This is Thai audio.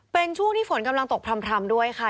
เป็นช่วงที่ฝนกำลังตกพร่ำด้วยค่ะ